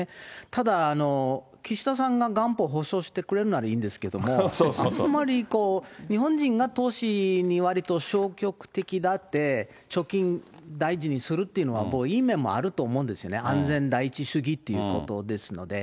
ただ、岸田さんが元本保証してくれるんならいいんですけども、あんまりこう、日本人が投資にわりと消極的であって貯金大事にするっていうのは、もういい面もあると思うんですよね、安全第一主義ということですので。